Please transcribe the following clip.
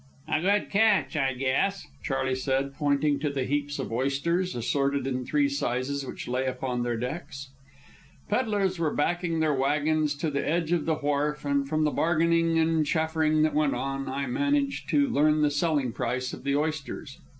"A good catch, I guess," Charley said, pointing to the heaps of oysters, assorted in three sizes, which lay upon their decks. Pedlers were backing their wagons to the edge of the wharf, and from the bargaining and chaffering that went on, I managed to learn the selling price of the oysters.